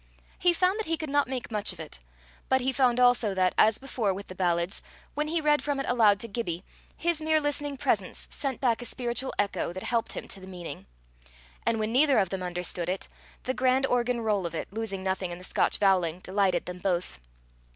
He found that he could not make much of it. But he found also that, as before with the ballads, when he read from it aloud to Gibbie, his mere listening presence sent back a spiritual echo that helped him to the meaning; and when neither of them understood it, the grand organ roll of it, losing nothing in the Scotch voweling, delighted them both.